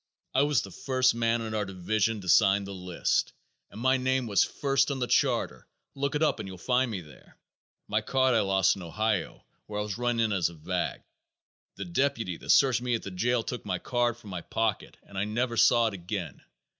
"I was the first man on our division to sign the list, and my name was first on the charter. Look it up and you'll find me there. My card I lost in Ohio where I was run in as a vag. The deputy that searched me at the jail took my card from my pocket and I never saw it again.